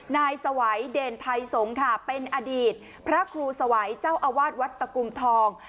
นายสวัยเด่นไทยสงฆ์ค่ะเป็นอดีตพระครูสวัยเจ้าอาวาสวัดตะกุมทอง